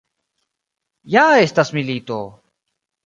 Ja estas milito!